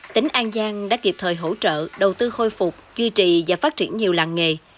tỉnh an giang đã kịp thời hỗ trợ đầu tư khôi phục duy trì và phát triển nhiều làng nghề